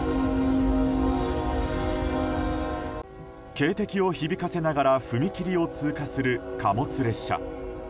警笛を響かせながら踏切を通過する貨物列車。